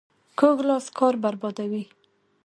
کوږ لاس کار بربادوي